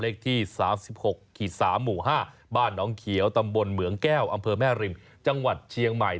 เลขที่๓๖๓หมู่๕บ้านน้องเขียวตำบลเหมืองแก้วอำเภอแม่ริมจังหวัดเชียงใหม่